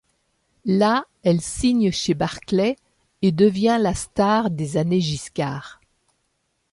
Là, elle signe chez Barclay et devient la star des années Giscard.